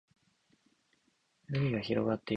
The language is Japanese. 海が広がっている